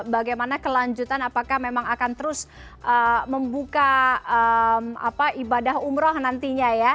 bagaimana kelanjutan apakah memang akan terus membuka ibadah umroh nantinya ya